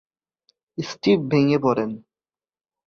Steve ভেঙে পড়ে।